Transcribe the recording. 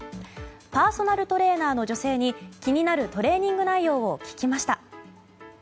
パーソナルトレーナーの女性に気になるトレーニング内容を聞きました。